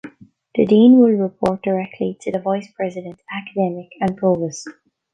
The dean will report directly to the vice president, academic and provost.